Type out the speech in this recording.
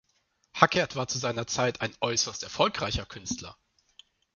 Hackert war zu seiner Zeit ein äußerst erfolgreicher Künstler.